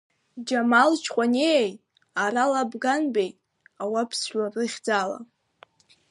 Џьамал Ҷҟәаниеи Арал Абганбеи, ауаԥс жәлар рыхьӡала…